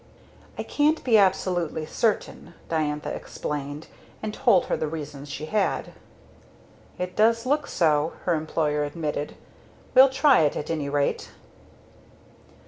"I can't be absolutely certain " Diantha explained; and told her the reasons she had. "It does look so," her employer admitted. "We'll try it at any rate."